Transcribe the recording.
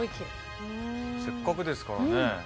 せっかくですからね。